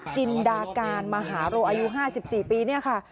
จินดาการมหาโรอายุ๕๔ปีเนี่ยค่ะ